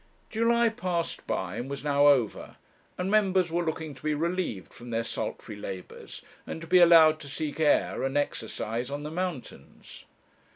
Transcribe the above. July passed by, and was now over, and members were looking to be relieved from their sultry labours, and to be allowed to seek air and exercise on the mountains.